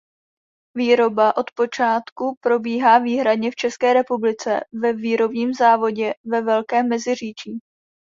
Výroba od počátku probíhá výhradně v České republice ve výrobním závodě ve Velkém Meziříčí.